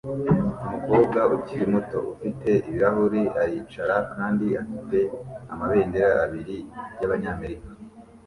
Umukobwa ukiri muto ufite ibirahuri aricara kandi afite amabendera abiri y'Abanyamerika